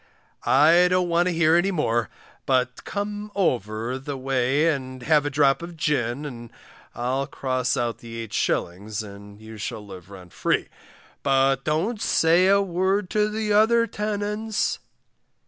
I don't want to hear any more, but come over the way and have a drop of gin, and I'll cross out the 8s. and you shall live rent free; but don't say a word to the other tenants.